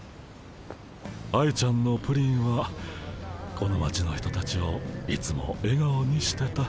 愛ちゃんのプリンはこの町の人たちをいつもえがおにしてた。